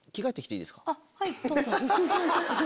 はいどうぞ。